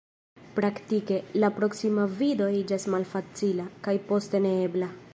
Praktike, la proksima vido iĝas malfacila, kaj poste neebla.